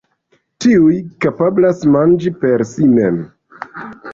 Tiuj kapablas manĝi per si mem.